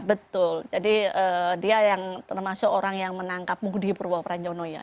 betul jadi dia yang termasuk orang yang menangkap budi purwo pranjono ya